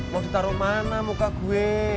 mau ditaruh mana muka gue